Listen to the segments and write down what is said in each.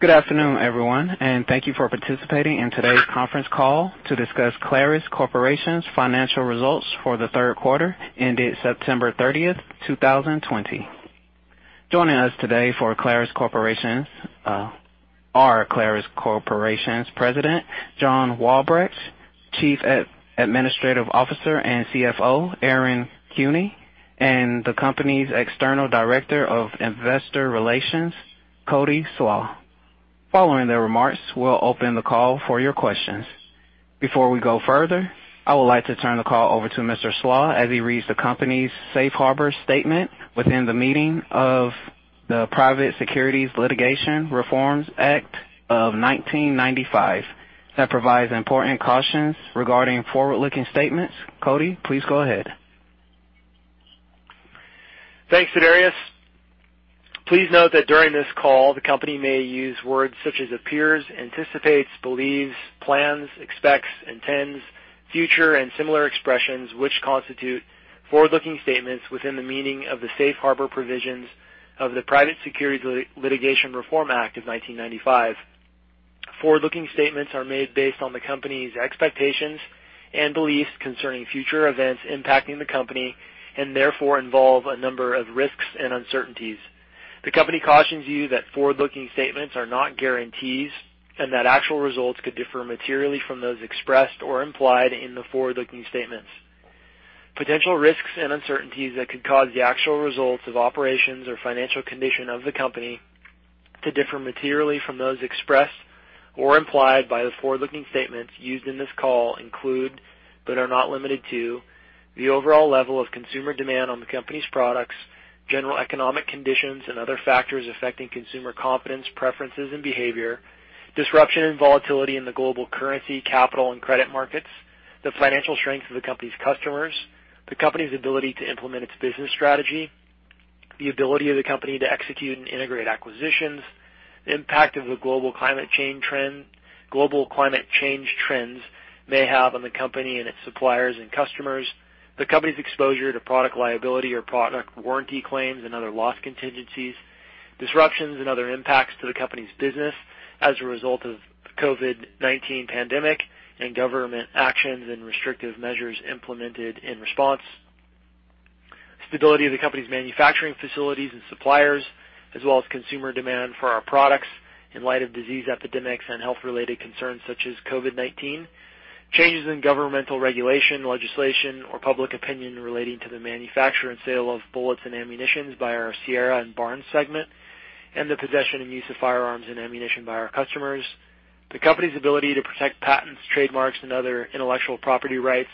Good afternoon, everyone, and thank you for participating in today's conference call to discuss Clarus Corporation's financial results for the Q3 ended September 30th, 2020. Joining us today are Clarus Corporation's President, John Walbrecht, Chief Administrative Officer and CFO, Aaron Kuehne, and the company's External Director of Investor Relations, Cody Slach. Following their remarks, we'll open the call for your questions. Before we go further, I would like to turn the call over to Mr. Slach as he reads the company's safe harbor statement within the meeting of the Private Securities Litigation Reform Act of 1995 that provides important cautions regarding forward-looking statements. Cody, please go ahead. Thanks, Sidarius. Please note that during this call, the company may use words such as appears, anticipates, believes, plans, expects, intends, future, and similar expressions, which constitute forward-looking statements within the meaning of the safe harbor provisions of the Private Securities Litigation Reform Act of 1995. Forward-looking statements are made based on the company's expectations and beliefs concerning future events impacting the company, and therefore involve a number of risks and uncertainties. The company cautions you that forward-looking statements are not guarantees and that actual results could differ materially from those expressed or implied in the forward-looking statements. Potential risks and uncertainties that could cause the actual results of operations or financial condition of the company to differ materially from those expressed or implied by the forward-looking statements used in this call include, but are not limited to, The overall level of consumer demand on the company's products, general economic conditions and other factors affecting consumer confidence, preferences, and behavior, disruption and volatility in the global currency, capital, and credit markets, the financial strength of the company's customers, the company's ability to implement its business strategy, the ability of the company to execute and integrate acquisitions, The impact of the global climate change trends may have on the company and its suppliers and customers, the company's exposure to product liability or product warranty claims and other loss contingencies, disruptions and other impacts to the company's business as a result of COVID-19 pandemic and government actions and restrictive measures implemented in response, Stability of the company's manufacturing facilities and suppliers, as well as consumer demand for our products in light of disease epidemics and health-related concerns such as COVID-19, changes in governmental regulation, legislation, or public opinion relating to the manufacture and sale of bullets and ammunitions by our Sierra and Barnes segment, and the possession and use of firearms and ammunition by our customers, The company's ability to protect patents, trademarks, and other intellectual property rights,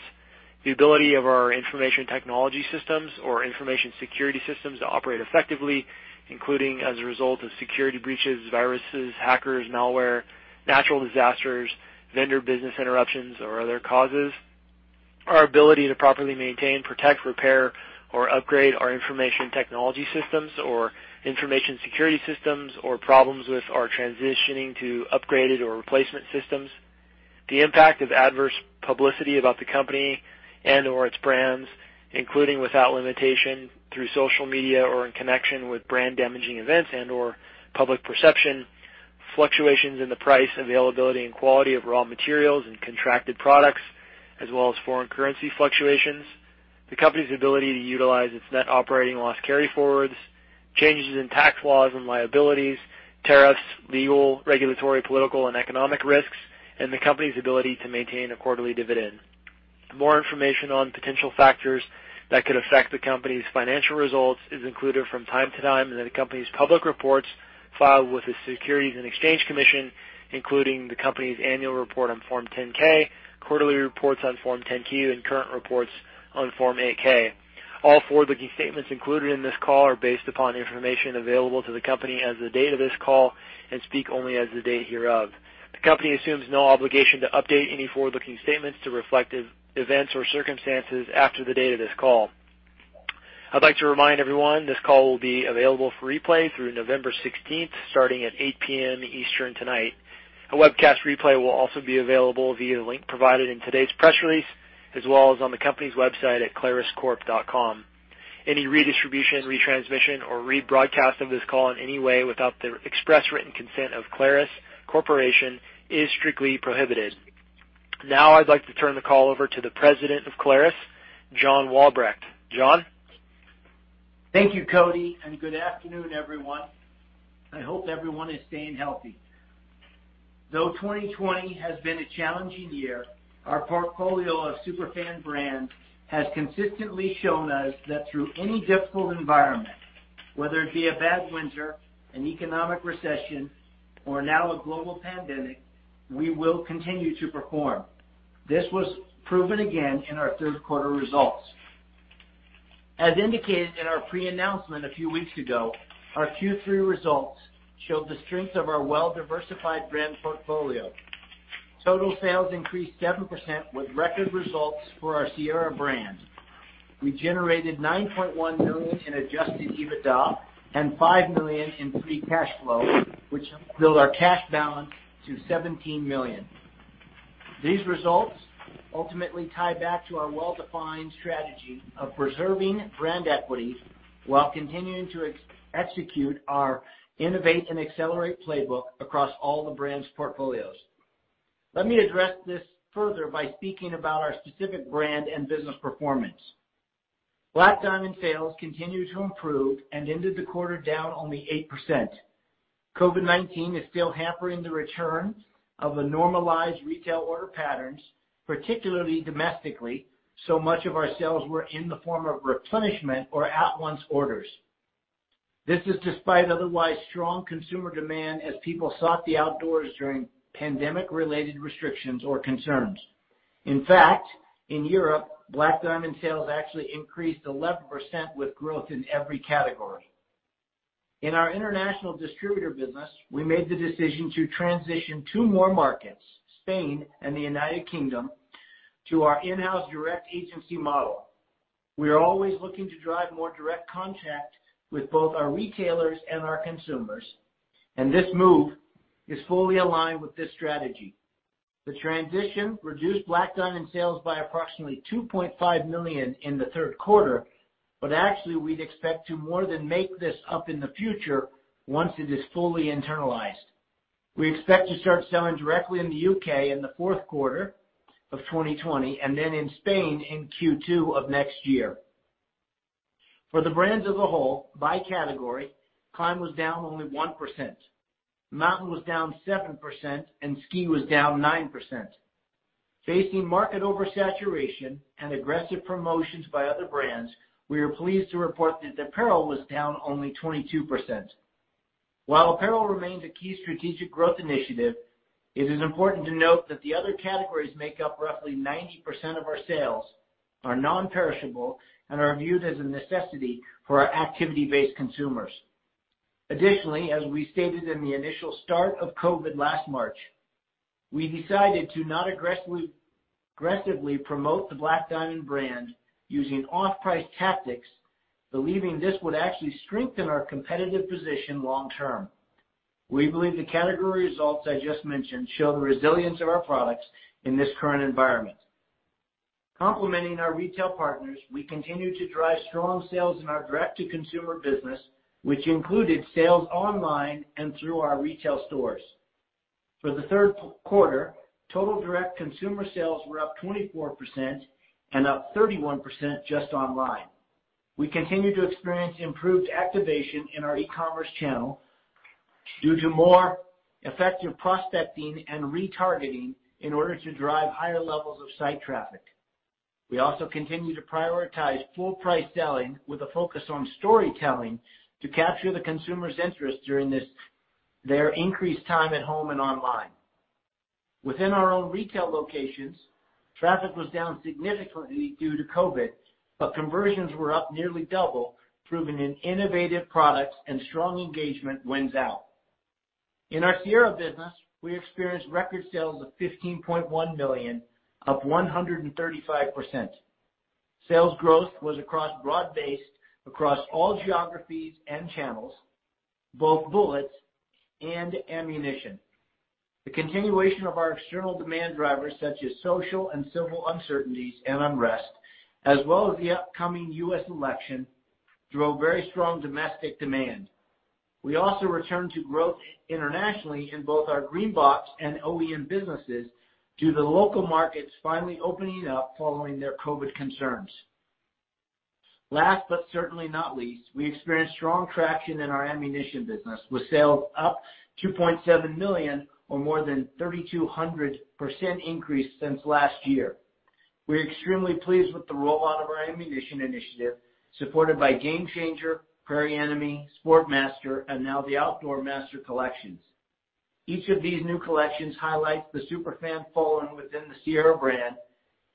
the ability of our information technology systems or information security systems to operate effectively, including as a result of security breaches, viruses, hackers, malware, natural disasters, vendor business interruptions, or other causes, Our ability to properly maintain, protect, repair, or upgrade our information technology systems or information security systems, or problems with our transitioning to upgraded or replacement systems, the impact of adverse publicity about the company and/or its brands, including without limitation through social media or in connection with brand damaging events and/or public perception, Fluctuations in the price, availability, and quality of raw materials and contracted products, as well as foreign currency fluctuations, the company's ability to utilize its net operating loss carryforwards, changes in tax laws and liabilities, tariffs, legal, regulatory, political, and economic risks, and the company's ability to maintain a quarterly dividend. More information on potential factors that could affect the company's financial results is included from time to time within the company's public reports filed with the Securities and Exchange Commission, including the company's annual report on Form 10-K, quarterly reports on Form 10-Q, and current reports on Form 8-K. All forward-looking statements included in this call are based upon information available to the company as of the date of this call and speak only as of the date hereof. The company assumes no obligation to update any forward-looking statements to reflect events or circumstances after the date of this call. I'd like to remind everyone this call will be available for replay through November 16th, starting at 8:00 P.M. Eastern tonight. A webcast replay will also be available via the link provided in today's press release, as well as on the company's website at claruscorp.com. Any redistribution, retransmission, or rebroadcast of this call in any way without the express written consent of Clarus Corporation is strictly prohibited. Now I'd like to turn the call over to the President of Clarus, John Walbrecht. John? Thank you, Cody. Good afternoon, everyone. I hope everyone is staying healthy. Though 2020 has been a challenging year, our portfolio of super fan brands has consistently shown us that through any difficult environment, whether it be a bad winter, an economic recession, or now a global pandemic, we will continue to perform. This was proven again in our Q3 results. As indicated in our pre-announcement a few weeks ago, our Q3 results showed the strength of our well-diversified brand portfolio. Total sales increased 7% with record results for our Sierra brand. We generated $9.1 million in adjusted EBITDA and $5 million in free cash flow, which built our cash balance to $17 million. These results ultimately tie back to our well-defined strategy of preserving brand equity while continuing to execute our innovate and accelerate playbook across all the brands' portfolios. Let me address this further by speaking about our specific brand and business performance. Black Diamond sales continued to improve and ended the quarter down only 8%. COVID-19 is still hampering the return of the normalized retail order patterns, particularly domestically, so much of our sales were in the form of replenishment or at-once orders. This is despite otherwise strong consumer demand as people sought the outdoors during pandemic-related restrictions or concerns. In fact, in Europe, Black Diamond sales actually increased 11% with growth in every category. In our international distributor business, we made the decision to transition two more markets, Spain and the United Kingdom, to our in-house direct agency model. We are always looking to drive more direct contact with both our retailers and our consumers, and this move is fully aligned with this strategy. The transition reduced Black Diamond sales by approximately $2.5 million in the Q3. Actually, we'd expect to more than make this up in the future once it is fully internalized. We expect to start selling directly in the U.K. in the Q4 of 2020 and then in Spain in Q2 of next year. For the brands as a whole, by category, Climb was down only 1%, Mountain was down 7%, and Ski was down 9%. Facing market oversaturation and aggressive promotions by other brands, we are pleased to report that apparel was down only 22%. While apparel remains a key strategic growth initiative, it is important to note that the other categories make up roughly 90% of our sales, are non-perishable, and are viewed as a necessity for our activity-based consumers. Additionally, as we stated in the initial start of COVID-19 last March, we decided to not aggressively promote the Black Diamond brand using off-price tactics, believing this would actually strengthen our competitive position long term. We believe the category results I just mentioned show the resilience of our products in this current environment. Complementing our retail partners, we continue to drive strong sales in our direct-to-consumer business, which included sales online and through our retail stores. For the Q3, total direct consumer sales were up 24% and up 31% just online. We continue to experience improved activation in our e-commerce channel due to more effective prospecting and retargeting in order to drive higher levels of site traffic. We also continue to prioritize full-price selling with a focus on storytelling to capture the consumer's interest during their increased time at home and online. Within our own retail locations, traffic was down significantly due to COVID, but conversions were up nearly double, proving an innovative product and strong engagement wins out. In our Sierra business, we experienced record sales of $15.1 million, up 135%. Sales growth was broad-based across all geographies and channels, both bullets and ammunition. The continuation of our external demand drivers, such as social and civil uncertainties and unrest, as well as the upcoming U.S. election, drove very strong domestic demand. We also returned to growth internationally in both our green box and OEM businesses due to local markets finally opening up following their COVID concerns. Last certainly not least, we experienced strong traction in our ammunition business, with sales up $2.7 million or more than a 3,200% increase since last year. We're extremely pleased with the rollout of our ammunition initiative, supported by GameChanger, Prairie Enemy, SportsMaster, and now the OutdoorMaster collections. Each of these new collections highlights the super fan following within the Sierra brand,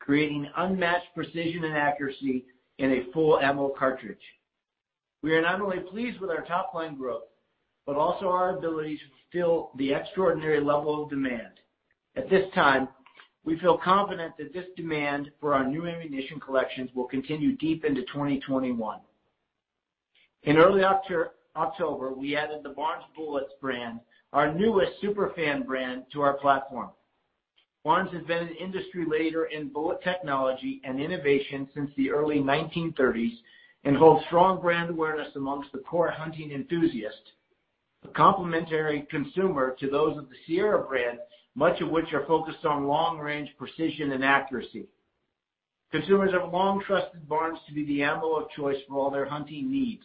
creating unmatched precision and accuracy in a full ammo cartridge. We are not only pleased with our top-line growth, but also our ability to fulfill the extraordinary level of demand. At this time, we feel confident that this demand for our new ammunition collections will continue deep into 2021. In early October, we added the Barnes Bullets brand, our newest super fan brand, to our platform. Barnes has been an industry leader in bullet technology and innovation since the early 1930s and holds strong brand awareness amongst the core hunting enthusiasts, a complementary consumer to those of the Sierra brand, much of which are focused on long-range precision and accuracy. Consumers have long trusted Barnes to be the ammo of choice for all their hunting needs.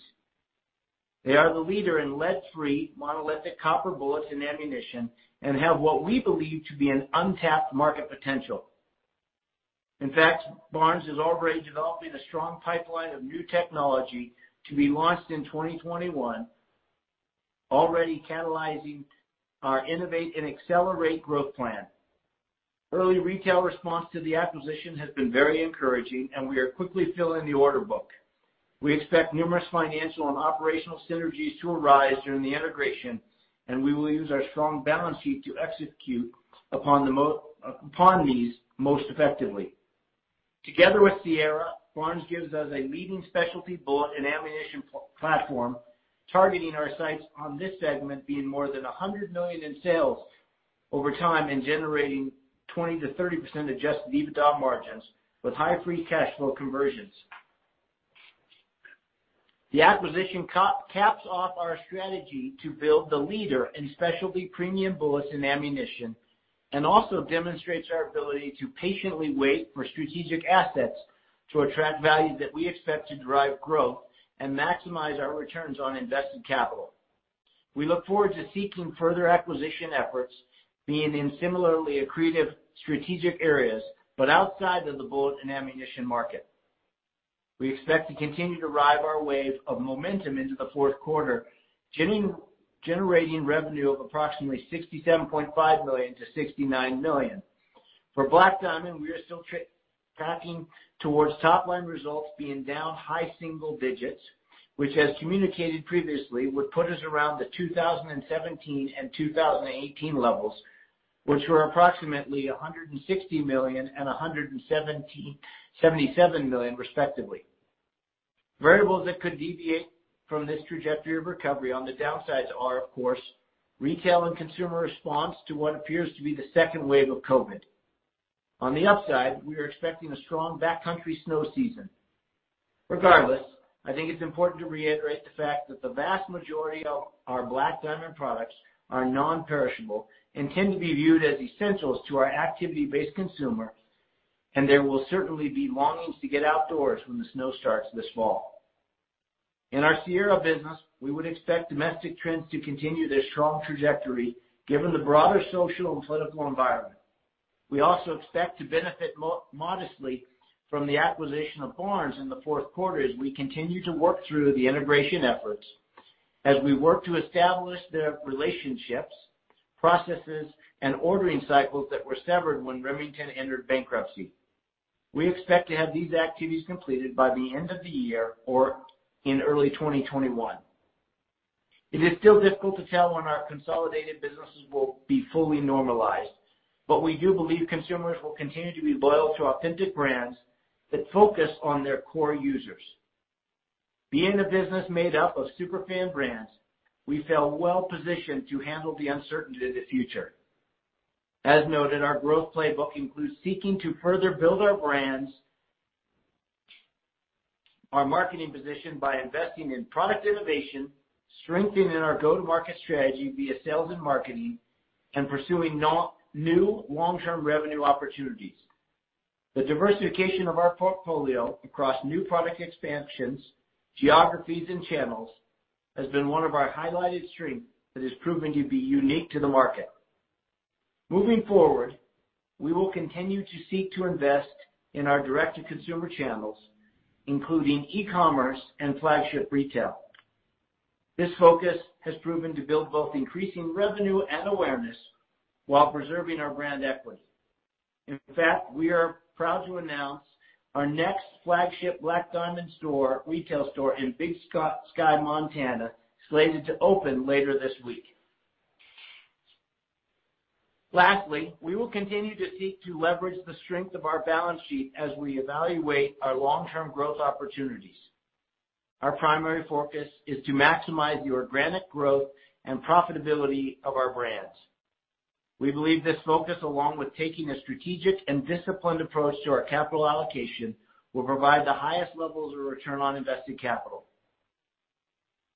They are the leader in lead-free monolithic copper bullets and ammunition and have what we believe to be an untapped market potential. In fact, Barnes is already developing a strong pipeline of new technology to be launched in 2021, already catalyzing our innovate and accelerate growth plan. Early retail response to the acquisition has been very encouraging, and we are quickly filling the order book. We expect numerous financial and operational synergies to arise during the integration, and we will use our strong balance sheet to execute upon these most effectively. Together with Sierra, Barnes gives us a leading specialty bullet and ammunition platform targeting our sights on this segment being more than $100 million in sales over time and generating 20%-30% adjusted EBITDA margins with high free cash flow conversions. The acquisition caps off our strategy to build the leader in specialty premium bullets and ammunition, and also demonstrates our ability to patiently wait for strategic assets to attract value that we expect to drive growth and maximize our returns on invested capital. We look forward to seeking further acquisition efforts being in similarly accretive strategic areas, but outside of the bullet and ammunition market. We expect to continue to ride our wave of momentum into the Q4, generating revenue of approximately $67.5 million-$69 million. For Black Diamond, we are still tracking towards top-line results being down high single digits, which as communicated previously, would put us around the 2017 and 2018 levels, which were approximately $160 million and $177 million respectively. Variables that could deviate from this trajectory of recovery on the downsides are, of course, retail and consumer response to what appears to be the second wave of COVID. On the upside, we are expecting a strong backcountry snow season. Regardless, I think it's important to reiterate the fact that the vast majority of our Black Diamond products are non-perishable and tend to be viewed as essentials to our activity-based consumer, and there will certainly be longings to get outdoors when the snow starts this fall. In our Sierra business, we would expect domestic trends to continue their strong trajectory given the broader social and political environment. We also expect to benefit modestly from the acquisition of Barnes in the Q4 as we continue to work through the integration efforts as we work to establish the relationships, processes, and ordering cycles that were severed when Remington entered bankruptcy. We expect to have these activities completed by the end of the year or in early 2021. It is still difficult to tell when our consolidated businesses will be fully normalized, but we do believe consumers will continue to be loyal to authentic brands that focus on their core users. Being a business made up of super fan brands, we feel well positioned to handle the uncertainty of the future. As noted, our growth playbook includes seeking to further build our brands, our marketing position by investing in product innovation, strengthening our go-to-market strategy via sales and marketing, and pursuing new long-term revenue opportunities. The diversification of our portfolio across new product expansions, geographies, and channels has been one of our highlighted strengths that has proven to be unique to the market. Moving forward, we will continue to seek to invest in our direct-to-consumer channels, including e-commerce and flagship retail. This focus has proven to build both increasing revenue and awareness while preserving our brand equity. In fact, we are proud to announce our next flagship Black Diamond retail store in Big Sky, Montana, slated to open later this week. Lastly, we will continue to seek to leverage the strength of our balance sheet as we evaluate our long-term growth opportunities. Our primary focus is to maximize the organic growth and profitability of our brands. We believe this focus, along with taking a strategic and disciplined approach to our capital allocation, will provide the highest levels of return on invested capital.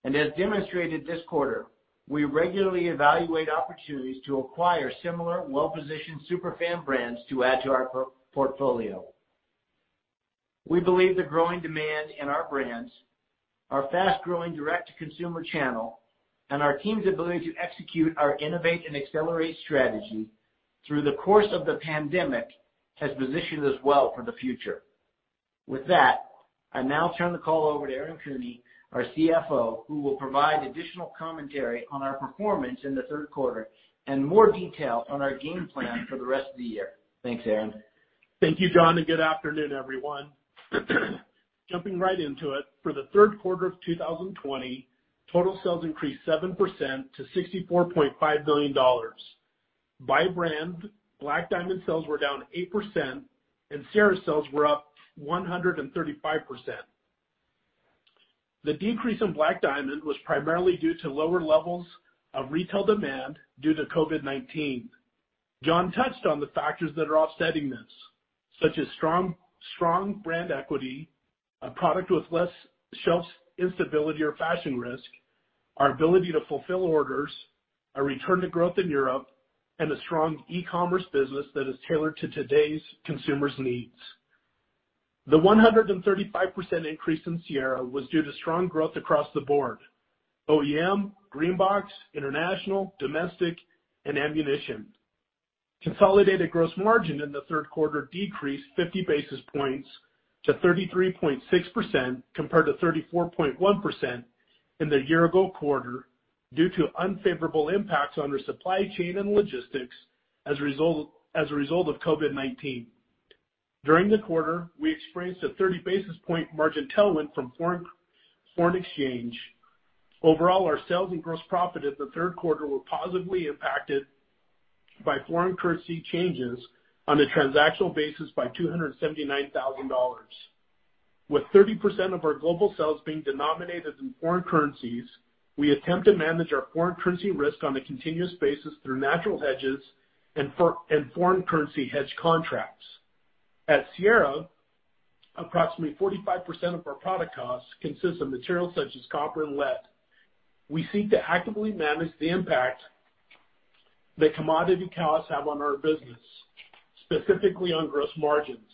As demonstrated this quarter, we regularly evaluate opportunities to acquire similar well-positioned super fan brands to add to our portfolio. We believe the growing demand in our brands, our fast-growing direct-to-consumer channel, and our team's ability to execute our innovate and accelerate strategy through the course of the pandemic has positioned us well for the future. With that, I now turn the call over to Aaron Kuehne, our CFO, who will provide additional commentary on our performance in the Q3 and more detail on our game plan for the rest of the year. Thanks, Aaron. Thank you, John, and good afternoon, everyone. Jumping right into it. For the Q3 of 2020, total sales increased 7% to $64.5 million. By brand, Black Diamond sales were down 8% and Sierra sales were up 135%. The decrease in Black Diamond was primarily due to lower levels of retail demand due to COVID-19. John touched on the factors that are offsetting this, such as strong brand equity, a product with less shelf instability or fashion risk, our ability to fulfill orders, a return to growth in Europe, and a strong e-commerce business that is tailored to today's consumers' needs. The 135% increase in Sierra was due to strong growth across the board: OEM, Green Box, international, domestic, and ammunition. Consolidated gross margin in the Q3 decreased 50 basis points to 33.6%, compared to 34.1% in the year ago quarter due to unfavorable impacts on our supply chain and logistics as a result of COVID-19. During the quarter, we experienced a 30 basis point margin tailwind from foreign exchange. Overall, our sales and gross profit in the Q3 were positively impacted by foreign currency changes on a transactional basis by $279,000. With 30% of our global sales being denominated in foreign currencies, we attempt to manage our foreign currency risk on a continuous basis through natural hedges and foreign currency hedge contracts. At Sierra, approximately 45% of our product costs consist of materials such as copper and lead. We seek to actively manage the impact that commodity costs have on our business, specifically on gross margins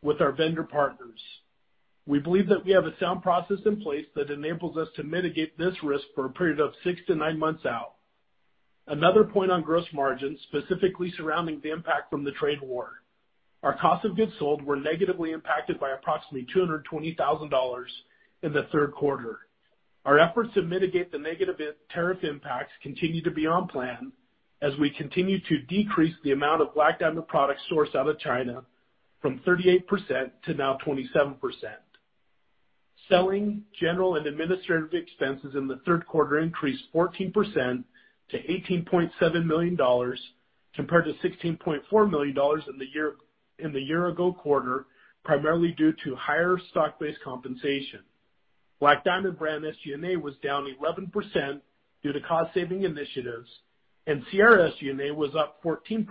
with our vendor partners. We believe that we have a sound process in place that enables us to mitigate this risk for a period of six to nine months out. Another point on gross margins, specifically surrounding the impact from the trade war. Our cost of goods sold were negatively impacted by approximately $220,000 in the Q3. Our efforts to mitigate the negative tariff impacts continue to be on plan as we continue to decrease the amount of Black Diamond products sourced out of China from 38% to now 27%. Selling, general, and administrative expenses in the Q3 increased 14% to $18.7 million compared to $16.4 million in the year ago quarter, primarily due to higher stock-based compensation. Black Diamond brand SG&A was down 11% due to cost-saving initiatives, and Sierra SG&A was up 14%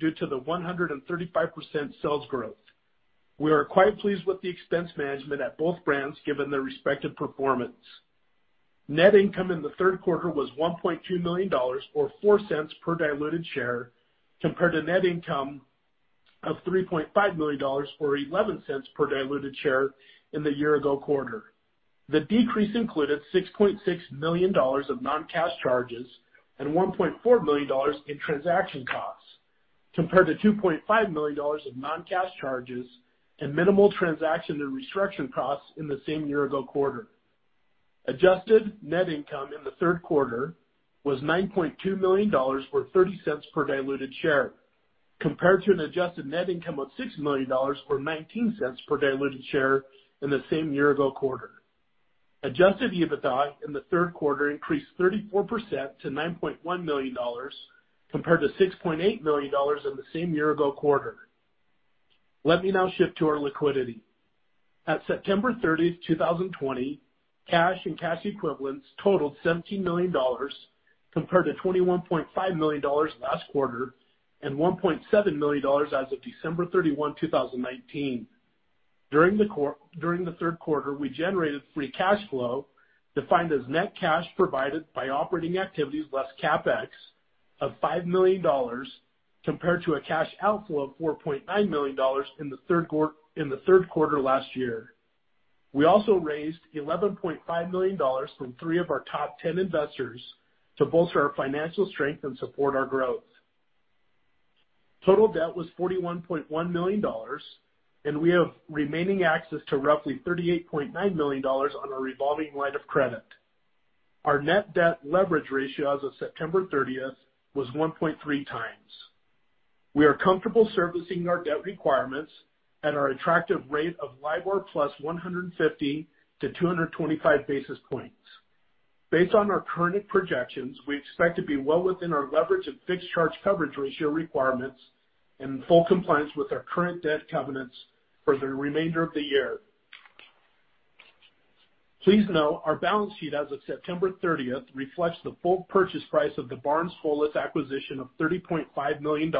due to the 135% sales growth. We are quite pleased with the expense management at both brands, given their respective performance. Net income in the Q3 was $1.2 million, or $0.04 per diluted share, compared to net income of $3.5 million, or $0.11 per diluted share in the year-ago quarter. The decrease included $6.6 million of non-cash charges and $1.4 million in transaction costs, compared to $2.5 million in non-cash charges and minimal transaction and restructuring costs in the same year-ago quarter. Adjusted net income in the Q3 was $9.2 million, or $0.30 per diluted share, compared to an adjusted net income of $6 million, or $0.19 per diluted share in the same year-ago quarter. Adjusted EBITDA in the Q3 increased 34% to $9.1 million, compared to $6.8 million in the same year-ago quarter. Let me now shift to our liquidity. At September 30th, 2020, cash and cash equivalents totaled $17 million, compared to $21.5 million last quarter and $1.7 million as of December 31, 2019. During the Q3, we generated free cash flow, defined as net cash provided by operating activities less CapEx, of $5 million, compared to a cash outflow of $4.9 million in the Q3 last year. We also raised $11.5 million from three of our top 10 investors to bolster our financial strength and support our growth. Total debt was $41.1 million, and we have remaining access to roughly $38.9 million on our revolving line of credit. Our net debt leverage ratio as of September 30th was 1.3x. We are comfortable servicing our debt requirements at our attractive rate of LIBOR +150 to 225 basis points. Based on our current projections, we expect to be well within our leverage and fixed charge coverage ratio requirements and in full compliance with our current debt covenants for the remainder of the year. Please note our balance sheet as of September 30th reflects the full purchase price of the Barnes Bullets acquisition of $30.5 million,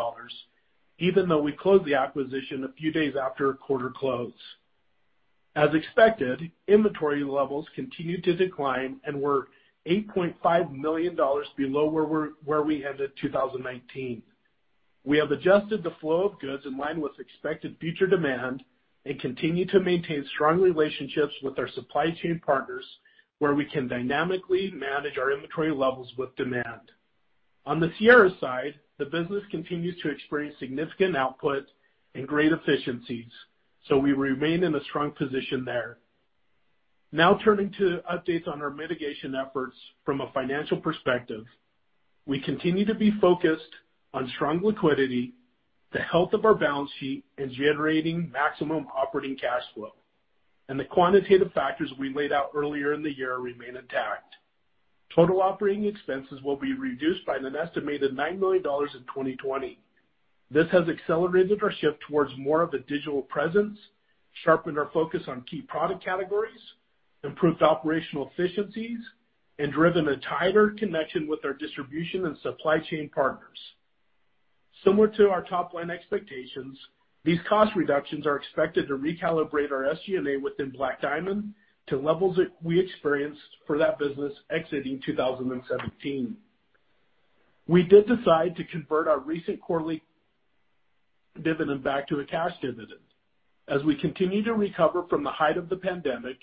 even though we closed the acquisition a few days after our quarter close. As expected, inventory levels continued to decline and were $8.5 million below where we ended 2019. We have adjusted the flow of goods in line with expected future demand and continue to maintain strong relationships with our supply chain partners, where we can dynamically manage our inventory levels with demand. On the Sierra side, the business continues to experience significant output and great efficiencies, we remain in a strong position there. Now turning to updates on our mitigation efforts from a financial perspective. We continue to be focused on strong liquidity, the health of our balance sheet, and generating maximum operating cash flow. The quantitative factors we laid out earlier in the year remain intact. Total operating expenses will be reduced by an estimated $9 million in 2020. This has accelerated our shift towards more of a digital presence, sharpened our focus on key product categories, improved operational efficiencies, and driven a tighter connection with our distribution and supply chain partners. Similar to our top-line expectations, these cost reductions are expected to recalibrate our SG&A within Black Diamond to levels that we experienced for that business exiting 2017. We did decide to convert our recent quarterly dividend back to a cash dividend. As we continue to recover from the height of the pandemic,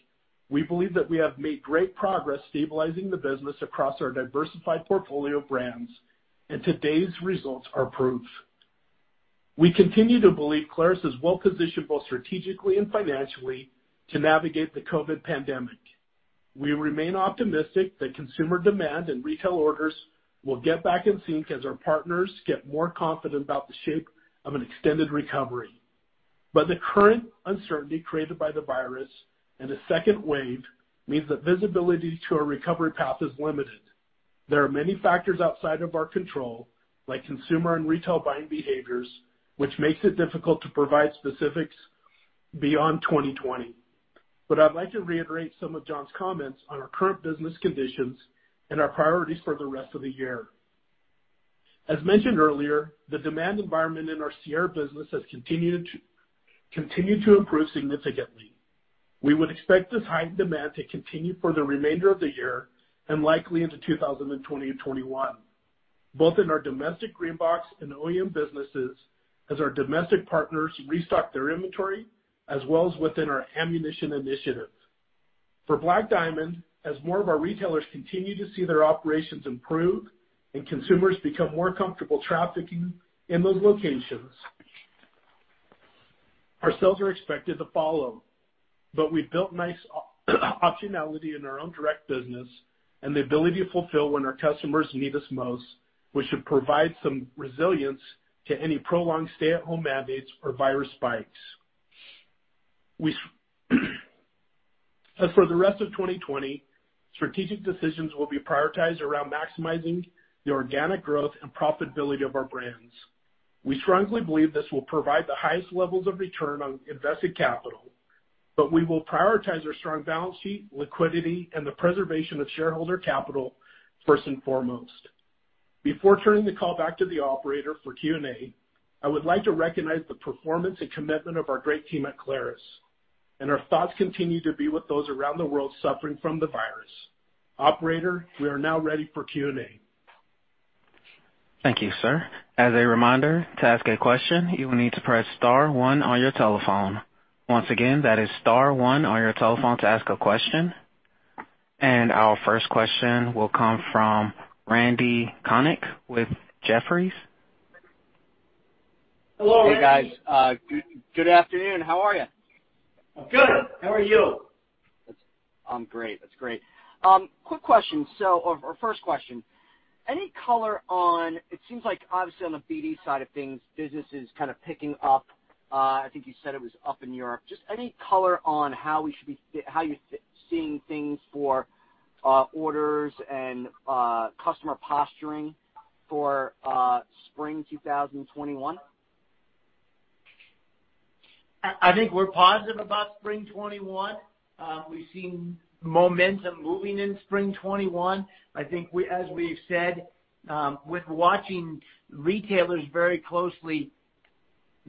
we believe that we have made great progress stabilizing the business across our diversified portfolio of brands, and today's results are proof. We continue to believe Clarus is well positioned, both strategically and financially, to navigate the COVID pandemic. We remain optimistic that consumer demand and retail orders will get back in sync as our partners get more confident about the shape of an extended recovery. The current uncertainty created by the virus and a second wave means that visibility to a recovery path is limited. There are many factors outside of our control, like consumer and retail buying behaviors, which makes it difficult to provide specifics beyond 2020. I'd like to reiterate some of John's comments on our current business conditions and our priorities for the rest of the year. As mentioned earlier, the demand environment in our Sierra business has continued to improve significantly. We would expect this high demand to continue for the remainder of the year, and likely into 2021, both in our domestic green box and OEM businesses as our domestic partners restock their inventory, as well as within our ammunition initiatives. For Black Diamond, as more of our retailers continue to see their operations improve and consumers become more comfortable trafficking in those locations, our sales are expected to follow. We've built nice optionality in our own direct business and the ability to fulfill when our customers need us most, which should provide some resilience to any prolonged stay-at-home mandates or virus spikes. As for the rest of 2020, strategic decisions will be prioritized around maximizing the organic growth and profitability of our brands. We strongly believe this will provide the highest levels of return on invested capital, but we will prioritize our strong balance sheet, liquidity, and the preservation of shareholder capital first and foremost. Before turning the call back to the operator for Q&A, I would like to recognize the performance and commitment of our great team at Clarus, and our thoughts continue to be with those around the world suffering from the virus. Operator, we are now ready for Q&A. Thank you, sir. As a reminder, to ask a question, you will need to press star one on your telephone. Once again, that is star one on your telephone to ask a question. Our first question will come from Randal Konik with Jefferies. Hello. Hey, guys. Good afternoon. How are you? I'm good. How are you? I'm great. That's great. Quick question. First question, any color on, it seems like obviously on the BD side of things, business is kind of picking up. I think you said it was up in Europe. Just any color on how you're seeing things for orders and customer posturing for spring 2021? I think we're positive about spring 2021. We've seen momentum moving in spring 2021. I think as we've said, with watching retailers very closely,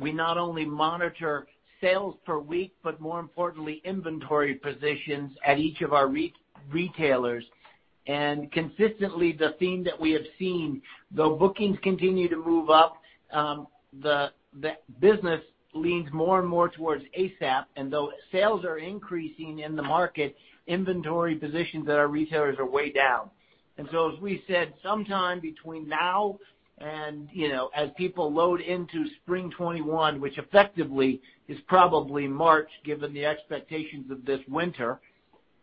we not only monitor sales per week, but more importantly, inventory positions at each of our retailers. Consistently, the theme that we have seen, though bookings continue to move up, the business leans more and more towards ASAP. Though sales are increasing in the market, inventory positions at our retailers are way down. As we said sometime between now and as people load into spring 2021, which effectively is probably March, given the expectations of this winter,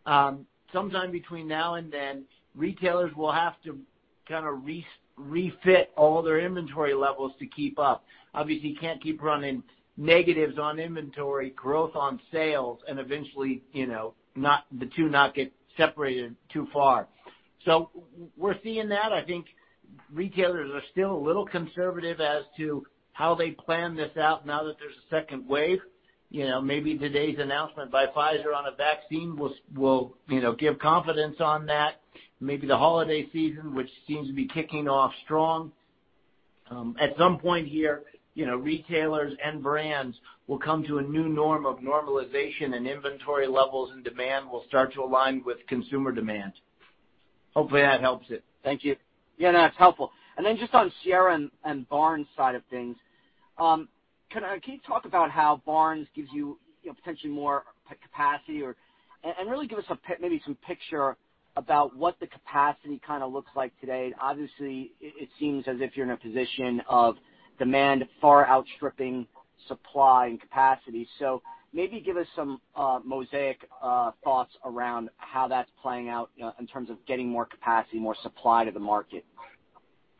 sometime between now and then, retailers will have to kind of refit all their inventory levels to keep up. Obviously, you can't keep running negatives on inventory growth on sales and eventually, the two not get separated too far. We're seeing that. I think retailers are still a little conservative as to how they plan this out now that there's a second wave. Maybe today's announcement by Pfizer on a vaccine will give confidence on that. Maybe the holiday season, which seems to be kicking off strong. At some point here, retailers and brands will come to a new norm of normalization and inventory levels, and demand will start to align with consumer demand. Hopefully, that helps it. Thank you. Yeah, that's helpful. Then just on Sierra and Barnes side of things, can you talk about how Barnes gives you potentially more capacity and really give us maybe some picture about what the capacity kind of looks like today. Obviously, it seems as if you're in a position of demand far outstripping supply and capacity. Maybe give us some mosaic thoughts around how that's playing out in terms of getting more capacity, more supply to the market.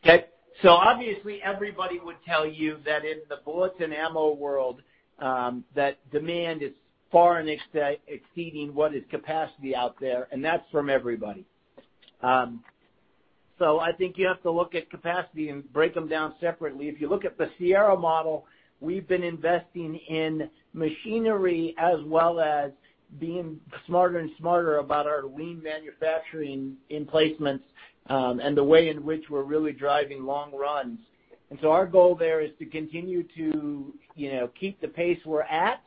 Okay. Obviously everybody would tell you that in the bullets and ammo world, that demand is far exceeding what is capacity out there, and that's from everybody. I think you have to look at capacity and break them down separately. If you look at the Sierra model, we've been investing in machinery as well as being smarter and smarter about our lean manufacturing in placements, and the way in which we're really driving long runs. Our goal there is to continue to keep the pace we're at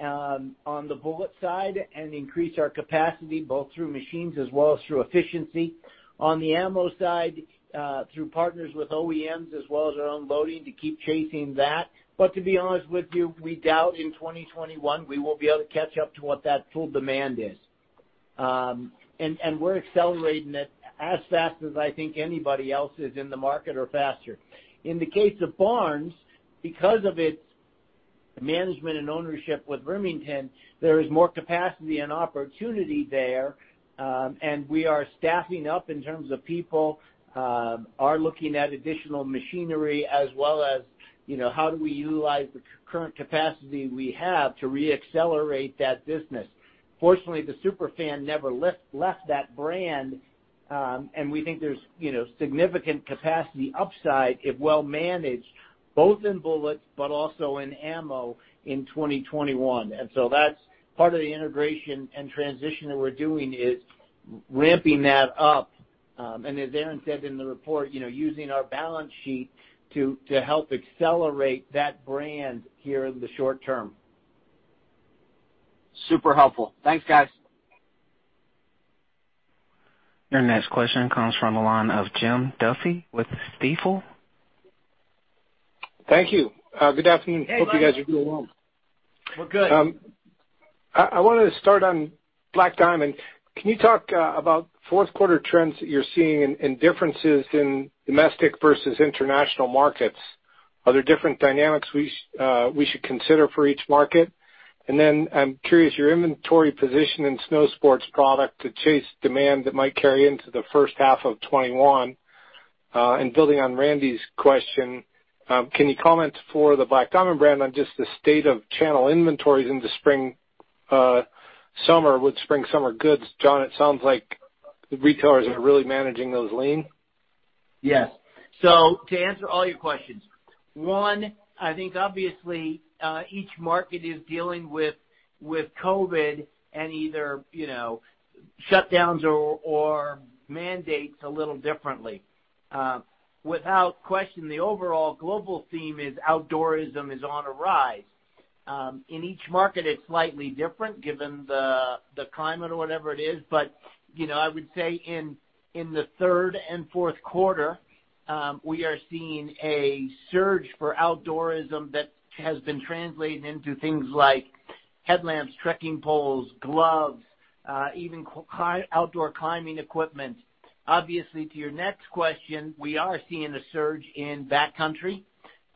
on the bullet side and increase our capacity both through machines as well as through efficiency. On the ammo side, through partners with OEMs as well as our own loading to keep chasing that. To be honest with you, we doubt in 2021 we will be able to catch up to what that full demand is. We're accelerating it as fast as I think anybody else is in the market or faster. In the case of Barnes, because of its management and ownership with Remington, there is more capacity and opportunity there. We are staffing up in terms of people, are looking at additional machinery as well as how do we utilize the current capacity we have to reaccelerate that business? Fortunately, the super fan never left that brand, and we think there's significant capacity upside if well-managed, both in bullets but also in ammo in 2021. That's part of the integration and transition that we're doing is ramping that up. As Aaron said in the report, using our balance sheet to help accelerate that brand here in the short term. Super helpful. Thanks, guys. Your next question comes from the line of Jim Duffy with Stifel. Thank you. Good afternoon. Hey, Duffy. Hope you guys are doing well. We're good. I wanted to start on Black Diamond. Can you talk about Q4 trends that you're seeing and differences in domestic versus international markets? Are there different dynamics we should consider for each market? Then I'm curious, your inventory position in snow sports product to chase demand that might carry into the first half of 2021. Building on Randal's question, can you comment for the Black Diamond brand on just the state of channel inventories in the spring, summer, with spring, summer goods? John, it sounds like the retailers are really managing those lean. Yes. To answer all your questions, one, I think obviously, each market is dealing with COVID-19 and either shutdowns or mandates a little differently. Without question, the overall global theme is outdoorism is on a rise. In each market it's slightly different given the climate or whatever it is, I would say in the third and Q4, we are seeing a surge for outdoorism that has been translating into things like headlamps, trekking poles, gloves, even outdoor climbing equipment. Obviously, to your next question, we are seeing a surge in backcountry.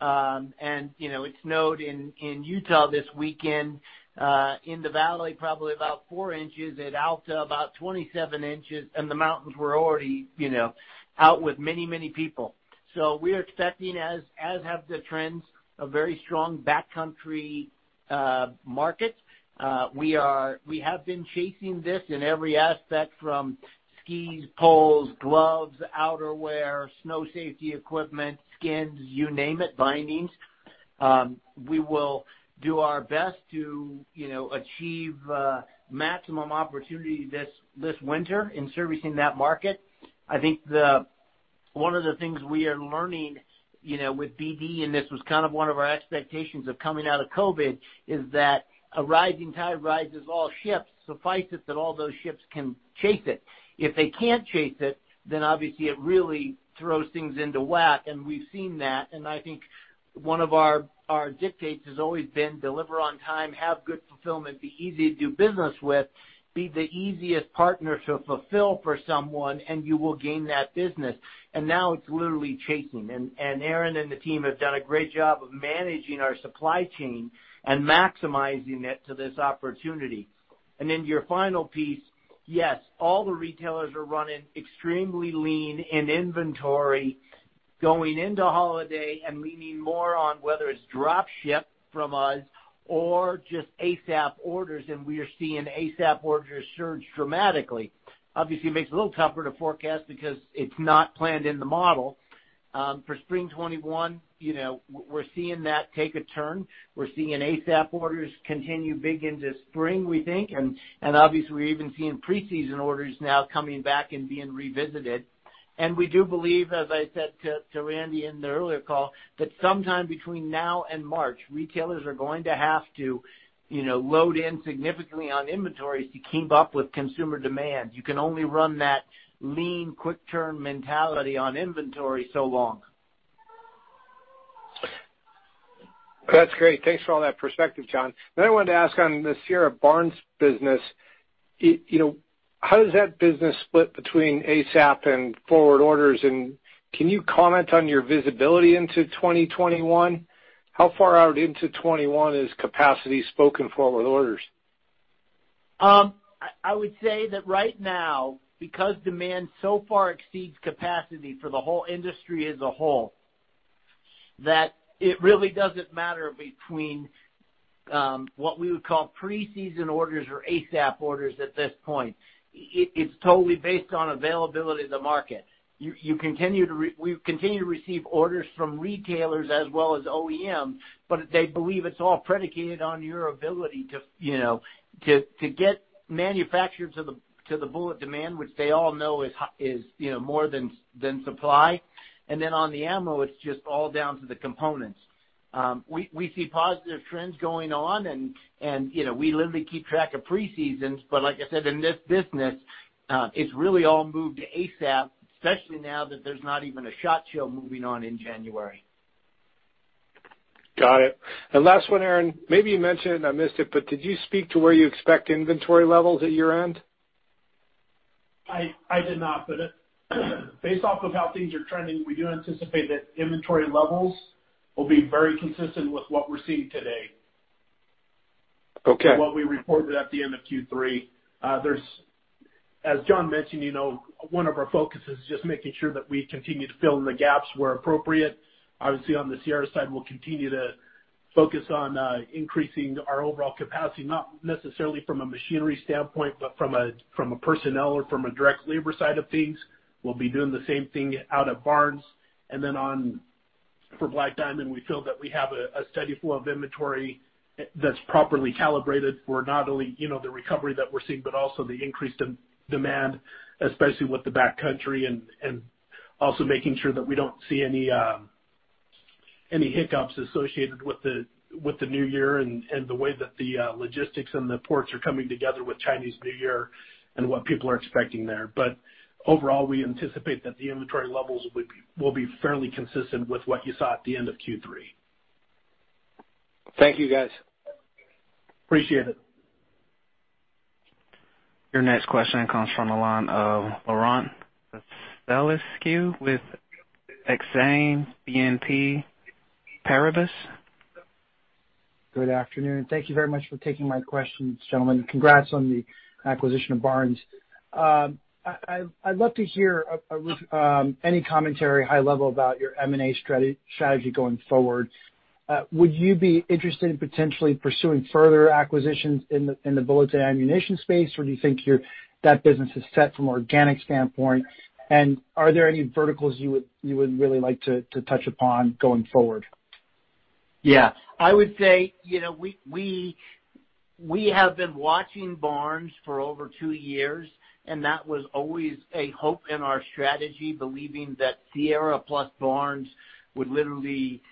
It snowed in Utah this weekend, in the valley, probably about four inches. At Alta, about 27 inches, the mountains were already out with many people. We're expecting, as have the trends, a very strong backcountry market. We have been chasing this in every aspect, from skis, poles, gloves, outerwear, snow safety equipment, skins, you name it, bindings. We will do our best to achieve maximum opportunity this winter in servicing that market. I think one of the things we are learning with BD, and this was kind of one of our expectations of coming out of COVID, is that a rising tide rises all ships, suffice it that all those ships can chase it. If they can't chase it, then obviously it really throws things into whack, and we've seen that. I think one of our dictates has always been deliver on time, have good fulfillment, be easy to do business with, be the easiest partner to fulfill for someone, and you will gain that business. Now it's literally chasing. Aaron and the team have done a great job of managing our supply chain and maximizing it to this opportunity. To your final piece, yes, all the retailers are running extremely lean in inventory going into holiday and leaning more on whether it's drop ship from us or just ASAP orders, and we are seeing ASAP orders surge dramatically. Obviously, it makes it a little tougher to forecast because it's not planned in the model. For spring 2021, we're seeing that take a turn. We're seeing ASAP orders continue big into spring, we think, and obviously, we're even seeing pre-season orders now coming back and being revisited. We do believe, as I said to Randal in the earlier call, that sometime between now and March, retailers are going to have to load in significantly on inventories to keep up with consumer demand. You can only run that lean, quick turn mentality on inventory so long. That's great. Thanks for all that perspective, John. I wanted to ask on the Sierra and Barnes business, how does that business split between ASAP and forward orders, and can you comment on your visibility into 2021? How far out into 2021 is capacity spoken forward orders? I would say that right now, because demand so far exceeds capacity for the whole industry as a whole, that it really doesn't matter between what we would call pre-season orders or ASAP orders at this point. It's totally based on availability of the market. We continue to receive orders from retailers as well as OEM, but they believe it's all predicated on your ability to get manufactured to the bullet demand, which they all know is more than supply. On the ammo, it's just all down to the components. We see positive trends going on and we literally keep track of pre-seasons, but like I said, in this business, it's really all moved to ASAP, especially now that there's not even a SHOT Show moving on in January. Got it. Last one, Aaron, maybe you mentioned it and I missed it, but did you speak to where you expect inventory levels at your end? I did not, but based off of how things are trending, we do anticipate that inventory levels will be very consistent with what we're seeing today. Okay. What we reported at the end of Q3. As John mentioned, one of our focuses is just making sure that we continue to fill in the gaps where appropriate. Obviously, on the Sierra side, we'll continue to focus on increasing our overall capacity, not necessarily from a machinery standpoint, but from a personnel or from a direct labor side of things. We'll be doing the same thing out of Barnes. Then for Black Diamond, we feel that we have a steady flow of inventory that's properly calibrated for not only the recovery that we're seeing, but also the increased demand, especially with the back country, and also making sure that we don't see any hiccups associated with the new year and the way that the logistics and the ports are coming together with Chinese New Year and what people are expecting there. Overall, we anticipate that the inventory levels will be fairly consistent with what you saw at the end of Q3. Thank you, guys. Appreciate it. Your next question comes from the line of Laurent Vasilescu with Exane BNP Paribas. Good afternoon. Thank you very much for taking my questions, gentlemen. Congrats on the acquisition of Barnes. I'd love to hear any commentary, high level, about your M&A strategy going forward. Would you be interested in potentially pursuing further acquisitions in the bullets and ammunition space, or do you think that business is set from an organic standpoint, and are there any verticals you would really like to touch upon going forward? Yeah. I would say, we have been watching Barnes for over two years, and that was always a hope in our strategy, believing that Sierra plus Barnes would literally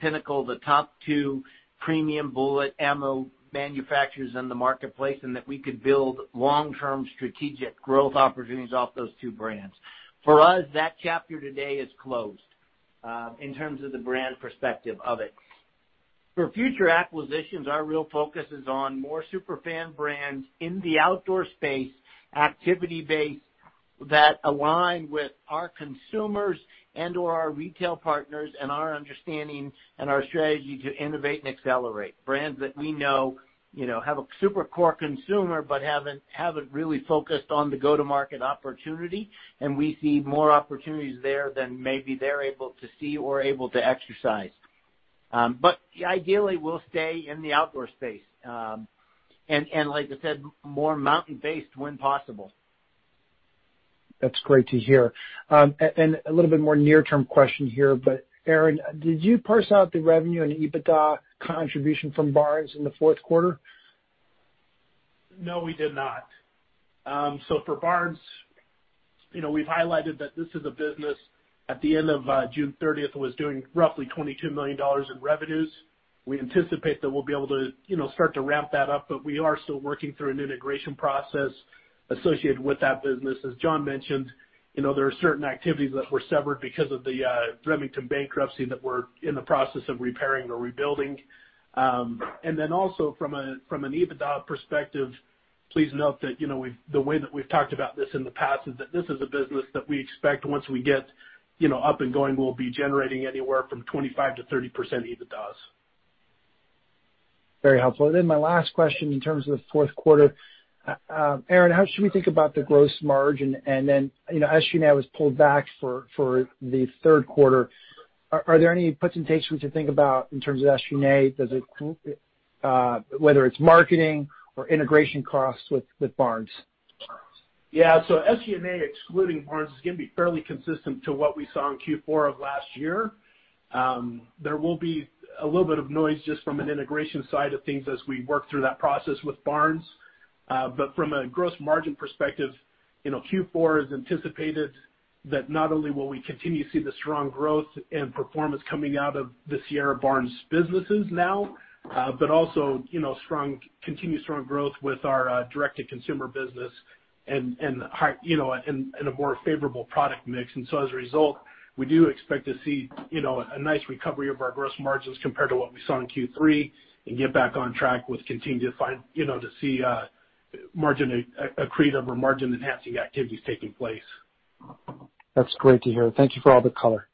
pinnacle the top two premium bullet ammo manufacturers in the marketplace, and that we could build long-term strategic growth opportunities off those two brands. For us, that chapter today is closed in terms of the brand perspective of it. For future acquisitions, our real focus is on more super fan brands in the outdoor space, activity-based, that align with our consumers and/or our retail partners, and our understanding and our strategy to innovate and accelerate. Brands that we know have a super core consumer but haven't really focused on the go-to-market opportunity, and we see more opportunities there than maybe they're able to see or able to exercise. Ideally, we'll stay in the outdoor space. Like I said, more mountain-based when possible. That's great to hear. A little bit more near-term question here, but Aaron, did you parse out the revenue and EBITDA contribution from Barnes in the Q4? No, we did not. For Barnes, we've highlighted that this is a business at the end of June 30th, was doing roughly $22 million in revenues. We anticipate that we'll be able to start to ramp that up, but we are still working through an integration process associated with that business. As John mentioned, there are certain activities that were severed because of the Remington bankruptcy that we're in the process of repairing or rebuilding. Then also from an EBITDA perspective, please note that the way that we've talked about this in the past is that this is a business that we expect once we get up and going, we'll be generating anywhere from 25%-30% EBITDAs. Very helpful. My last question in terms of the Q4. Aaron, how should we think about the gross margin? SG&A was pulled back for the Q3. Are there any put and takes we should think about in terms of SG&A? Whether it's marketing or integration costs with Barnes. SG&A, excluding Barnes, is going to be fairly consistent to what we saw in Q4 of last year. There will be a little bit of noise just from an integration side of things as we work through that process with Barnes. From a gross margin perspective, Q4 has anticipated that not only will we continue to see the strong growth and performance coming out of the Sierra and Barnes businesses now, but also continued strong growth with our direct-to-consumer business and a more favorable product mix. As a result, we do expect to see a nice recovery of our gross margins compared to what we saw in Q3 and get back on track with continuing to see accretive or margin-enhancing activities taking place. That's great to hear. Thank you for all the color.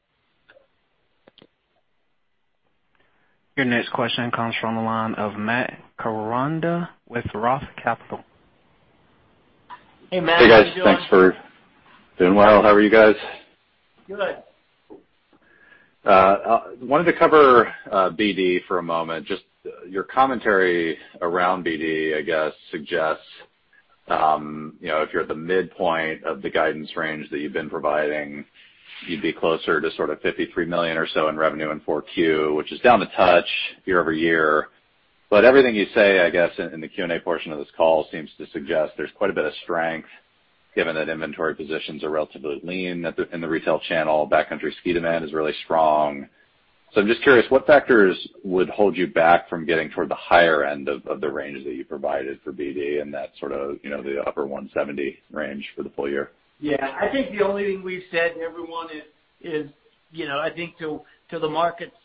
Your next question comes from the line of Matt Koranda with ROTH Capital Partners. Hey, Matt. How you doing? Hey, guys. Thanks for doing well. How are you guys? Good. Wanted to cover BD for a moment. Just your commentary around BD, I guess, suggests if you're at the midpoint of the guidance range that you've been providing, you'd be closer to sort of $53 million or so in revenue in 4Q, which is down a touch year-over-year. Everything you say, I guess, in the Q&A portion of this call seems to suggest there's quite a bit of strength given that inventory positions are relatively lean in the retail channel, backcountry ski demand is really strong. I'm just curious, what factors would hold you back from getting toward the higher end of the range that you provided for BD and that sort of the upper 170 range for the full year? Yeah, I think the only thing we've said, everyone, is I think to the market's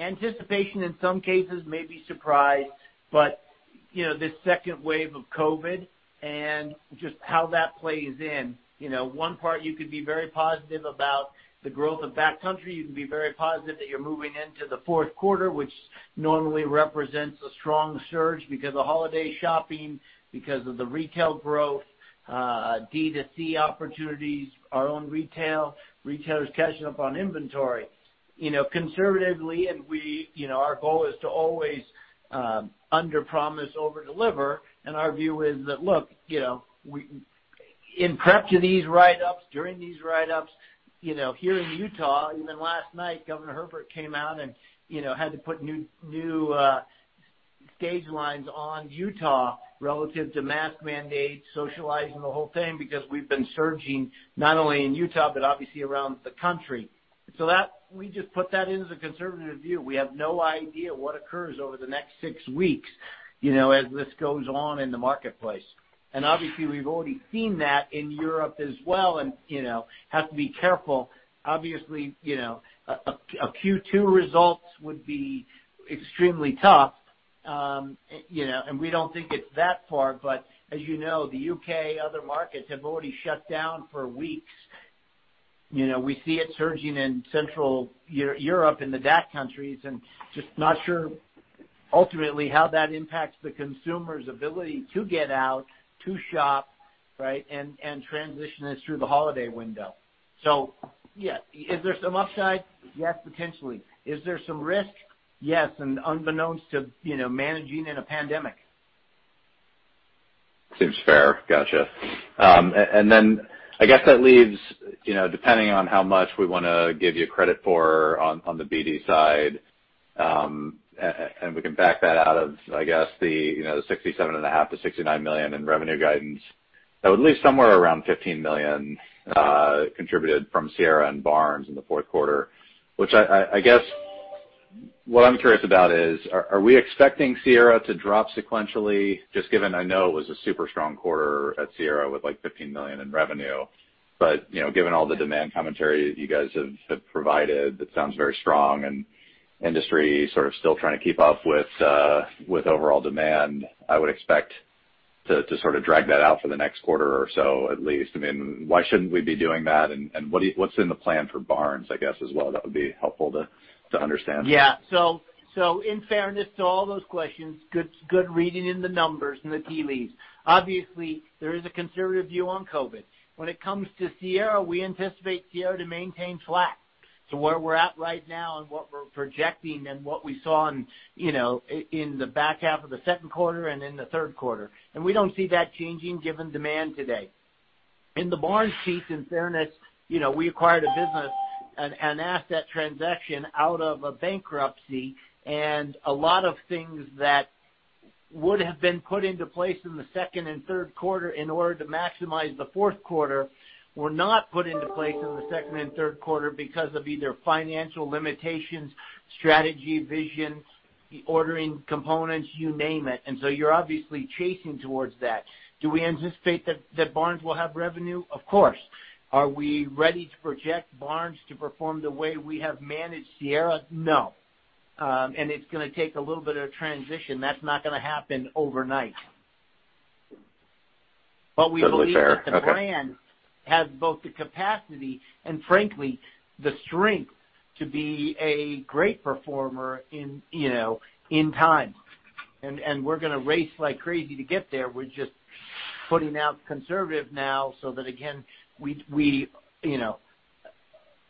anticipation, in some cases maybe surprise, but this second wave of COVID-19 and just how that plays in. One part you could be very positive about the growth of backcountry. You can be very positive that you're moving into the Q4, which normally represents a strong surge because of holiday shopping, because of the retail growth, D2C opportunities, our own retail, retailers catching up on inventory. Conservatively, and our goal is to always underpromise, overdeliver, and our view is that, look, in prep to these write-ups, during these write-ups, here in Utah, even last night, Governor Herbert came out and had to put new guidelines on Utah relative to mask mandates, socializing, the whole thing, because we've been surging, not only in Utah, but obviously around the country. We just put that in as a conservative view. We have no idea what occurs over the next 6 weeks, as this goes on in the marketplace. Obviously we've already seen that in Europe as well, and have to be careful. Obviously, Q2 results would be extremely tough. We don't think it's that far, but as you know, the U.K., other markets, have already shut down for weeks. We see it surging in Central Europe, in the DACH countries. Just not sure ultimately how that impacts the consumer's ability to get out, to shop, and transition us through the holiday window. Is there some upside? Yes, potentially. Is there some risk? Yes, unbeknownst to managing in a pandemic. Seems fair. Got you. I guess that leaves, depending on how much we want to give you credit for on the BD side, and we can back that out of, I guess, the $67.5 million-$69 million in revenue guidance. That would leave somewhere around $15 million contributed from Sierra and Barnes in the Q4. I guess what I am curious about is, are we expecting Sierra to drop sequentially, just given I know it was a super strong quarter at Sierra with $15 million in revenue. Given all the demand commentary that you guys have provided, that sounds very strong, and industry sort of still trying to keep up with overall demand. I would expect to sort of drag that out for the next quarter or so at least. Why shouldn't we be doing that, and what's in the plan for Barnes, I guess, as well? That would be helpful to understand. In fairness to all those questions, good reading in the numbers and the tea leaves. Obviously, there is a conservative view on COVID-19. When it comes to Sierra, we anticipate Sierra to maintain flat to where we're at right now and what we're projecting and what we saw in the back half of the Q2 and in the Q3. We don't see that changing given demand today. In the Barnes piece, in fairness, we acquired a business, an asset transaction out of a bankruptcy, and a lot of things that would have been put into place in the second and Q3 in order to maximize the Q4 were not put into place in the second and Q3 because of either financial limitations, strategy, vision, the ordering components, you name it. You're obviously chasing towards that. Do we anticipate that Barnes will have revenue? Of course. Are we ready to project Barnes to perform the way we have managed Sierra? No. It's going to take a little bit of transition. That's not going to happen overnight. Totally fair. Okay. We believe that the brand has both the capacity and frankly, the strength to be a great performer in time. We're going to race like crazy to get there. We're just putting out conservative now so that, again,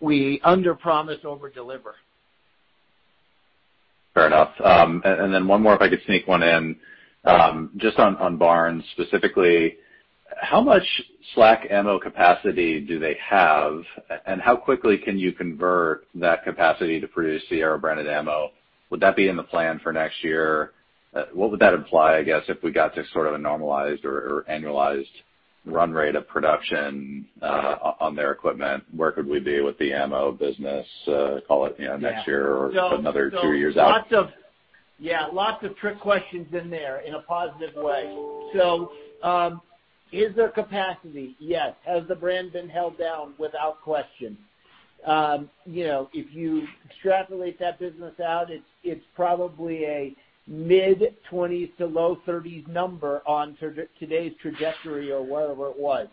we under-promise, overdeliver. Fair enough. Then one more, if I could sneak one in. Just on Barnes specifically, how much slack ammo capacity do they have, and how quickly can you convert that capacity to produce Sierra branded ammo? Would that be in the plan for next year? What would that imply, I guess, if we got to sort of a normalized or annualized run rate of production on their equipment? Where could we be with the ammo business, call it next year or another two years out? Yeah. Lots of trick questions in there in a positive way. Is there capacity? Yes. Has the brand been held down? Without question. If you extrapolate that business out, it's probably a mid-20s to low 30s number on today's trajectory or whatever it was.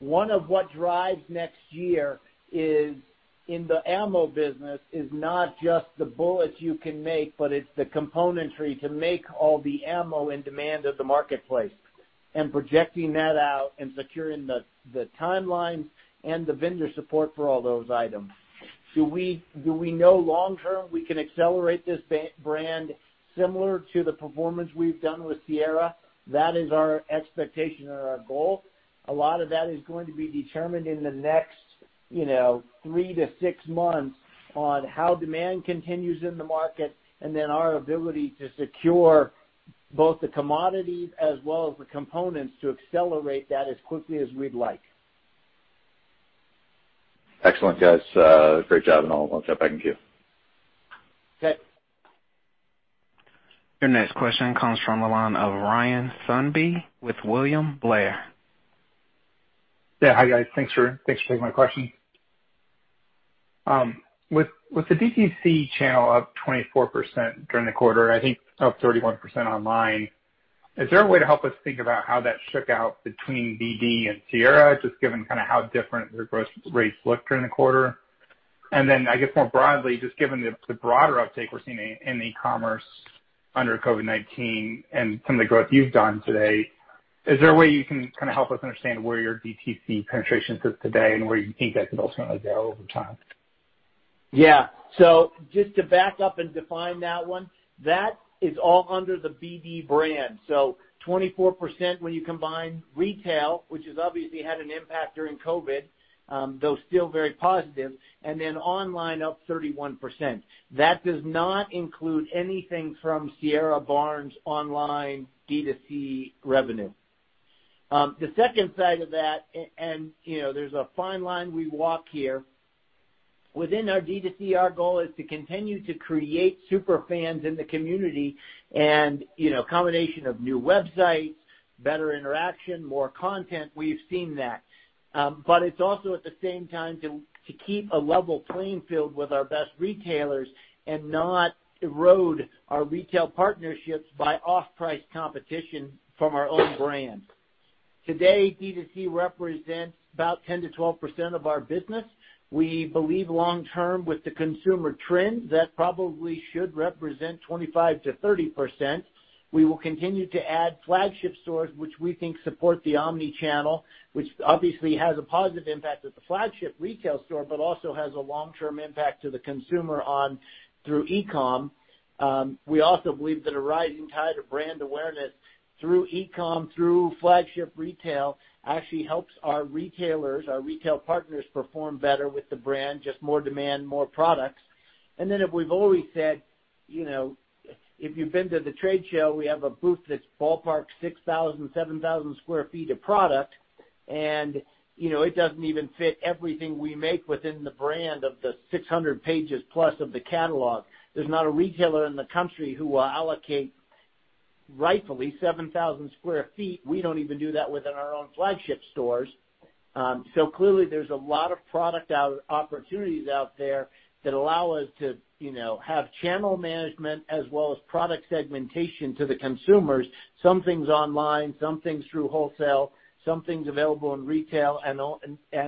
One of what drives next year is in the ammo business is not just the bullets you can make, but it's the componentry to make all the ammo in demand at the marketplace, and projecting that out and securing the timelines and the vendor support for all those items. Do we know long-term we can accelerate this brand similar to the performance we've done with Sierra? That is our expectation and our goal. A lot of that is going to be determined in the next three to six months on how demand continues in the market, and then our ability to secure both the commodities as well as the components to accelerate that as quickly as we'd like. Excellent, guys. Great job, and I'll jump back in queue. Okay. Your next question comes from the line of Ryan Sundby with William Blair. Yeah. Hi, guys. Thanks for taking my question. With the D2C channel up 24% during the quarter, I think up 31% online, is there a way to help us think about how that shook out between BD and Sierra, just given kind of how different the growth rates looked during the quarter? I guess more broadly, just given the broader uptake we're seeing in e-commerce under COVID-19 and some of the growth you've done today, is there a way you can kind of help us understand where your D2C penetration sits today and where you think that could ultimately go over time? Just to back up and define that one, that is all under the BD brand. 24% when you combine retail, which has obviously had an impact during COVID-19, though still very positive, and then online up 31%. That does not include anything from Sierra and Barnes online D2C revenue. The second side of that, there's a fine line we walk here. Within our D2C, our goal is to continue to create super fans in the community, a combination of new websites, better interaction, more content, we've seen that. It's also at the same time to keep a level playing field with our best retailers and not erode our retail partnerships by off-price competition from our own brand. Today, D2C represents about 10%-12% of our business. We believe long term with the consumer trend, that probably should represent 25%-30%. We will continue to add flagship stores, which we think support the omni-channel, which obviously has a positive impact at the flagship retail store, but also has a long-term impact to the consumer through e-com. We also believe that a rising tide of brand awareness through e-com, through flagship retail, actually helps our retailers, our retail partners perform better with the brand, just more demand, more products. If we've always said, if you've been to the trade show, we have a booth that's ballpark 6,000, 7,000 sq ft of product. It doesn't even fit everything we make within the brand of the 600 pages plus of the catalog. There's not a retailer in the country who will allocate rightfully 7,000 sq ft. We don't even do that within our own flagship stores. Clearly there's a lot of product opportunities out there that allow us to have channel management as well as product segmentation to the consumers. Some things online, some things through wholesale, some things available in retail and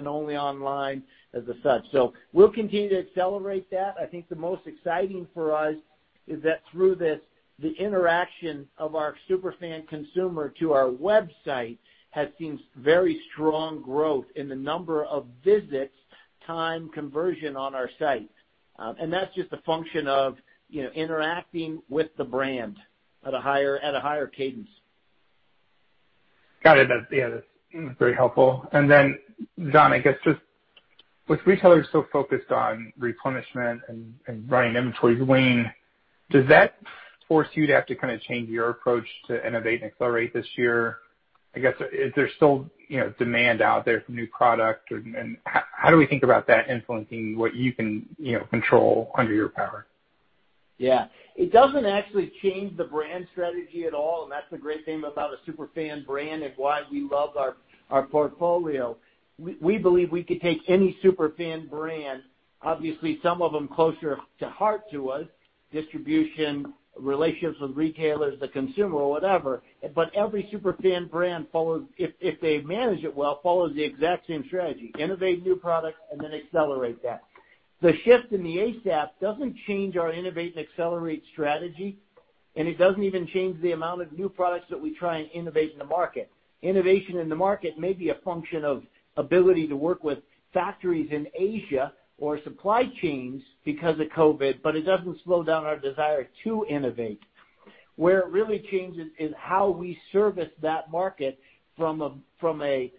only online as such. We'll continue to accelerate that. I think the most exciting for us is that through this, the interaction of our super fan consumer to our website has seen very strong growth in the number of visits, time conversion on our site. That's just a function of interacting with the brand at a higher cadence. Got it. That's very helpful. Then John, I guess just with retailers so focused on replenishment and running inventories, Weighing, does that force you to have to kind of change your approach to innovate and accelerate this year? I guess is there still demand out there for new product and how do we think about that influencing what you can control under your power? Yeah. It doesn't actually change the brand strategy at all, and that's the great thing about a super fan brand and why we love our portfolio. We believe we could take any super fan brand, obviously some of them closer to heart to us, distribution, relationships with retailers, the consumer, whatever. Every super fan brand, if they manage it well, follows the exact same strategy, innovate new products, and then accelerate that. The shift in the ASAP doesn't change our innovate and accelerate strategy, and it doesn't even change the amount of new products that we try and innovate in the market. Innovation in the market may be a function of ability to work with factories in Asia or supply chains because of COVID, but it doesn't slow down our desire to innovate. Where it really changes is how we service that market from a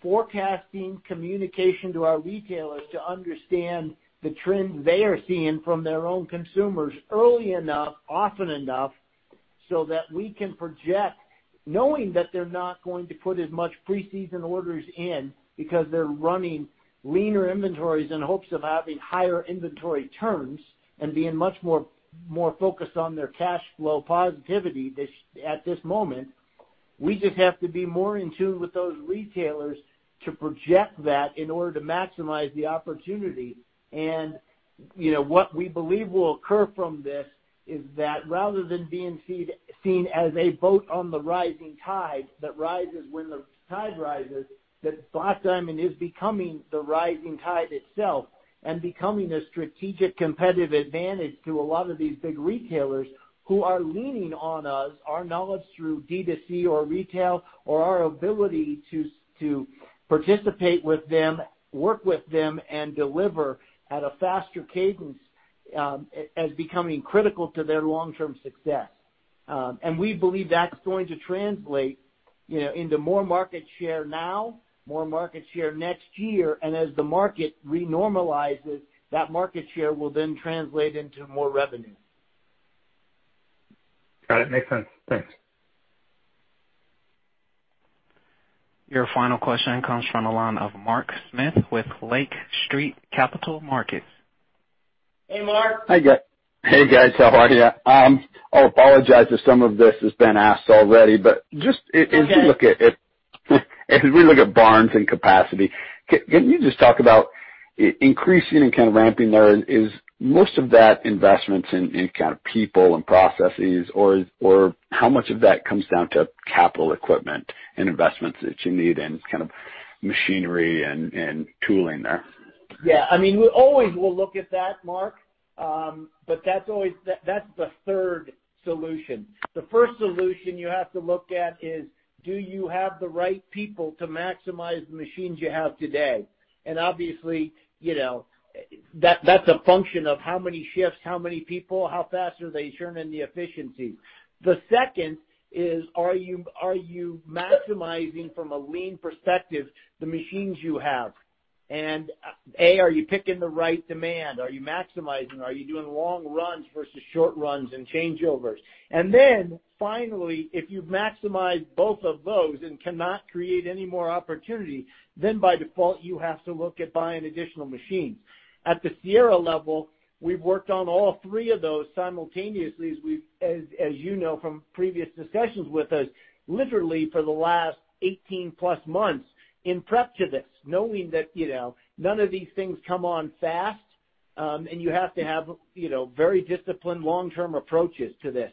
forecasting communication to our retailers to understand the trends they are seeing from their own consumers early enough, often enough, so that we can project knowing that they're not going to put as much pre-season orders in because they're running leaner inventories in hopes of having higher inventory turns and being much more focused on their cash flow positivity at this moment. We just have to be more in tune with those retailers to project that in order to maximize the opportunity. What we believe will occur from this is that rather than being seen as a boat on the rising tide that rises when the tide rises, that Black Diamond is becoming the rising tide itself and becoming a strategic competitive advantage to a lot of these big retailers who are leaning on us, our knowledge through D2C or retail, or our ability to participate with them, work with them, and deliver at a faster cadence, as becoming critical to their long-term success. We believe that's going to translate into more market share now, more market share next year, and as the market normalizes, that market share will then translate into more revenue. Got it. Makes sense. Thanks. Your final question comes from the line of Mark Smith with Lake Street Capital Markets. Hey, Mark. Hey, guys. How are you? I apologize if some of this has been asked already. Okay. As we look at Barnes capacity, can you just talk about increasing and kind of ramping there is most of that investments in kind of people and processes or how much of that comes down to capital equipment and investments that you need and machinery and tooling there? Yeah. We always will look at that, Mark, but that's the third solution. The first solution you have to look at is, do you have the right people to maximize the machines you have today? Obviously, that's a function of how many shifts, how many people, how fast are they churning the efficiency. The second is, are you maximizing from a lean perspective the machines you have? A, are you picking the right demand? Are you maximizing? Are you doing long runs versus short runs and changeovers? Finally, if you've maximized both of those and cannot create any more opportunity, then by default you have to look at buying additional machines. At the Sierra level, we've worked on all three of those simultaneously, as you know from previous discussions with us, literally for the last 18+ months in prep to this, knowing that none of these things come on fast. You have to have very disciplined long-term approaches to this.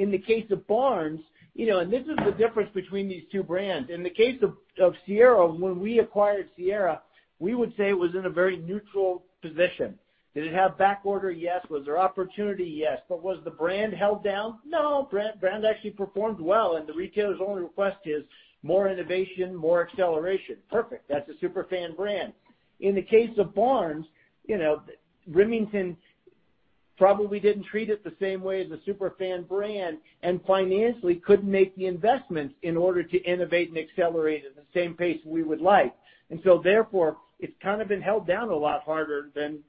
In the case of Barnes, this is the difference between these two brands. In the case of Sierra, when we acquired Sierra, we would say it was in a very neutral position. Did it have back order? Yes. Was there opportunity? Yes. Was the brand held down? No. Brand actually performed well. The retailer's only request is more innovation, more acceleration. Perfect. That's a super fan brand. In the case of Barnes, Remington probably didn't treat it the same way as a super fan brand, and financially couldn't make the investments in order to innovate and accelerate at the same pace we would like. Therefore, it's kind of been held down a lot harder than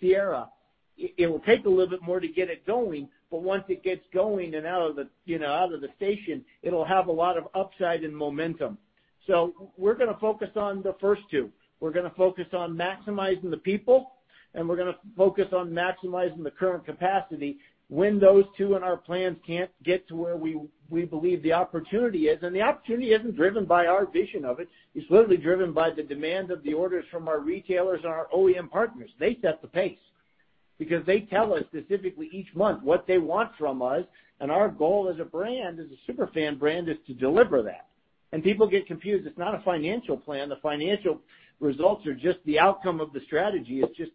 Sierra. It will take a little bit more to get it going, but once it gets going and out of the station, it'll have a lot of upside and momentum. We're going to focus on the first two. We're going to focus on maximizing the people, and we're going to focus on maximizing the current capacity when those two in our plans can't get to where we believe the opportunity is. The opportunity isn't driven by our vision of it. It's literally driven by the demand of the orders from our retailers and our OEM partners. They set the pace because they tell us specifically each month what they want from us, and our goal as a brand, as a super fan brand, is to deliver that. People get confused. It's not a financial plan. The financial results are just the outcome of the strategy. It's just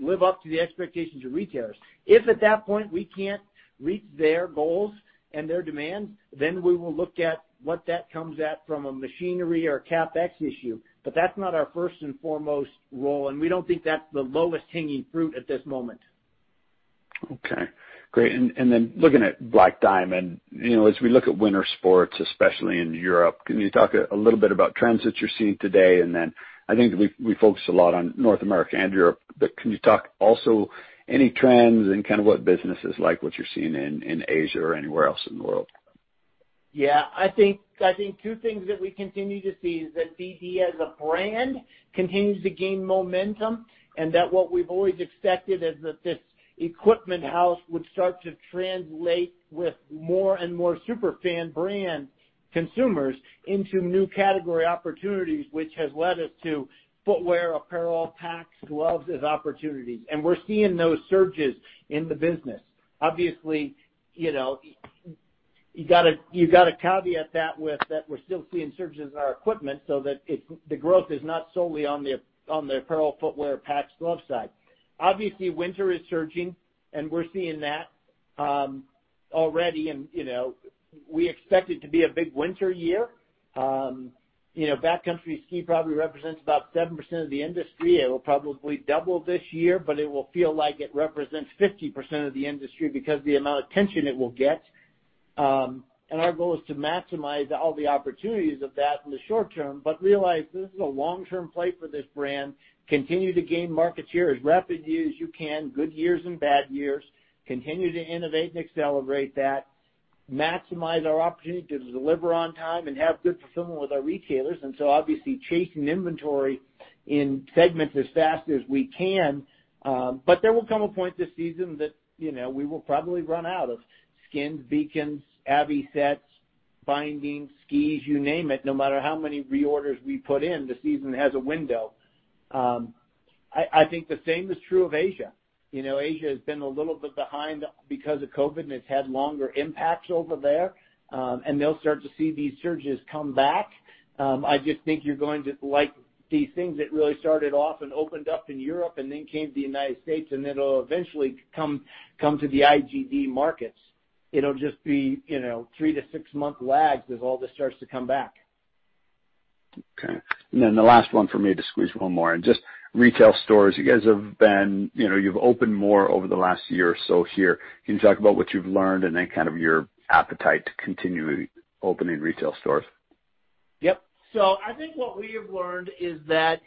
live up to the expectations of retailers. If at that point we can't reach their goals and their demands, then we will look at what that comes at from a machinery or CapEx issue. That's not our first and foremost role, and we don't think that's the lowest hanging fruit at this moment. Okay, great. Looking at Black Diamond, as we look at winter sports, especially in Europe, can you talk a little bit about trends that you're seeing today? I think we focus a lot on North America and Europe, can you talk also any trends and kind of what business is like, what you're seeing in Asia or anywhere else in the world? Yeah. I think two things that we continue to see is that BD as a brand continues to gain momentum, and that what we've always expected is that this equipment house would start to translate with more and more super fan brand consumers into new category opportunities, which has led us to footwear, apparel, packs, gloves as opportunities. We're seeing those surges in the business. Obviously, you've got to caveat that with that we're still seeing surges in our equipment so that the growth is not solely on the apparel, footwear, packs, glove side. Obviously, winter is surging, and we're seeing that already, and we expect it to be a big winter year. Backcountry ski probably represents about 7% of the industry. It will probably double this year, but it will feel like it represents 50% of the industry because of the amount of attention it will get. Our goal is to maximize all the opportunities of that in the short term, but realize this is a long-term play for this brand. Continue to gain market share as rapidly as you can, good years and bad years, continue to innovate and accelerate that, maximize our opportunity to deliver on time and have good fulfillment with our retailers. Obviously chasing inventory in segments as fast as we can, but there will come a point this season that we will probably run out of skins, beacons, avy sets, bindings, skis, you name it. No matter how many reorders we put in, the season has a window. I think the same is true of Asia. Asia has been a little bit behind because of COVID-19, and it's had longer impacts over there. They'll start to see these surges come back. I just think you're going to like these things that really started off and opened up in Europe and then came to the United States, and it'll eventually come to the IGD markets. It'll just be three to six month lags as all this starts to come back. Okay. The last one for me to squeeze one more in. Just retail stores. You guys have opened more over the last year or so here. Can you talk about what you've learned and then kind of your appetite to continue opening retail stores? Yep. I think what we have learned is that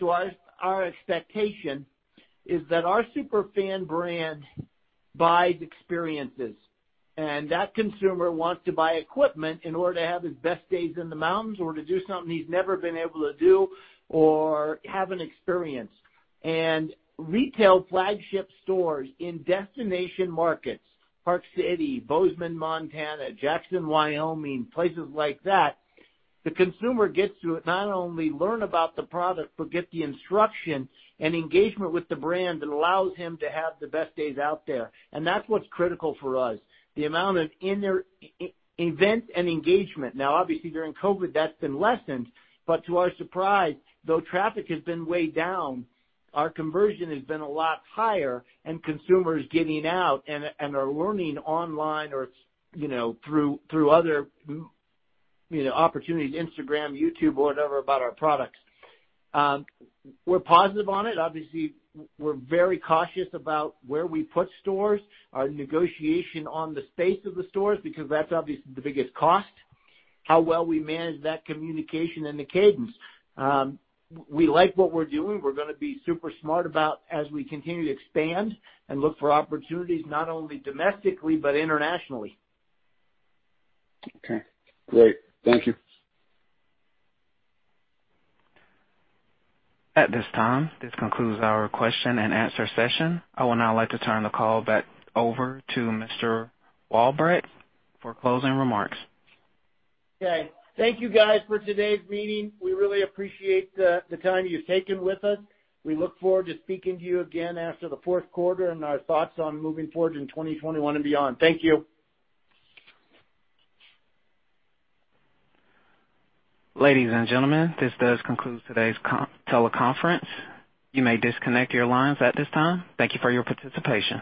to us, our expectation is that our super fan brand buys experiences, and that consumer wants to buy equipment in order to have his best days in the mountains or to do something he's never been able to do or have an experience. Retail flagship stores in destination markets, Park City, Bozeman, Montana, Jackson, Wyoming, places like that, the consumer gets to not only learn about the product but get the instruction and engagement with the brand that allows him to have the best days out there. That's what's critical for us, the amount of event and engagement. Obviously, during COVID-19, that's been lessened, but to our surprise, though traffic has been way down, our conversion has been a lot higher, and consumers getting out and are learning online or through other opportunities, Instagram, YouTube, whatever, about our products. We're positive on it. Obviously, we're very cautious about where we put stores, our negotiation on the space of the stores, because that's obviously the biggest cost, how well we manage that communication and the cadence. We like what we're doing. We're going to be super smart about as we continue to expand and look for opportunities, not only domestically but internationally. Okay, great. Thank you. At this time, this concludes our question and answer session. I would now like to turn the call back over to Mr. Walbrecht for closing remarks. Okay. Thank you guys for today's meeting. We really appreciate the time you've taken with us. We look forward to speaking to you again after the Q4 and our thoughts on moving forward in 2021 and beyond. Thank you. Ladies and gentlemen, this does conclude today's teleconference. You may disconnect your lines at this time. Thank you for your participation.